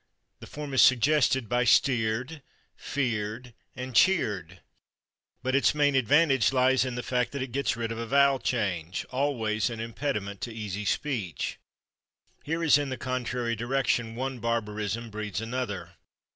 The form is suggested by /steered/, /feared/ and /cheered/, but its main advantage lies in the fact that it gets rid of a vowel change, always an impediment to easy speech. Here, as in the contrary direction, one barbarism breeds another.